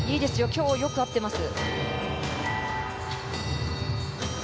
今日、よく合っています。